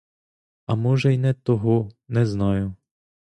А може й не того, не знаю.